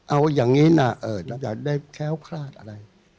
เอาอย่างนี้นะเราอยากได้แค้วคลาดอะไร